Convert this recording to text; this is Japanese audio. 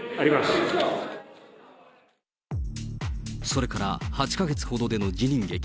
それから８か月ほどでの辞任劇。